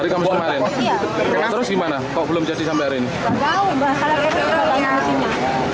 kalau terus gimana kalau belum jadi sambil hari ini